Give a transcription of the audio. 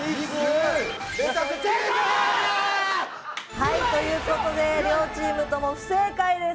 はいという事で両チームとも不正解です。